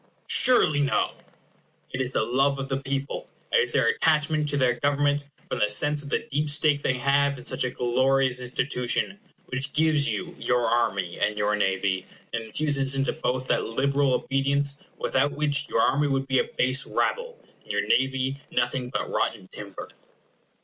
surely no! It is the love of the people; it is their attachment to their government, from the sense of the deep stake they have in such a glorious institution, which gives you your army and your navy, and infuses into both that liberal obedience without which your army would be a base rabble, and your navy nothing but rotten timber.